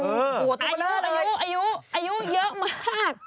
หัวตัวเบลอเลยอายุเยอะมาก